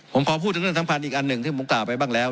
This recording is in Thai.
ผมขอพูดถึงเรื่องสำคัญอีกอันหนึ่งที่ผมกล่าวไปบ้างแล้ว